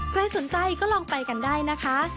ใครสนใจก็ลองไปกันได้นะคะ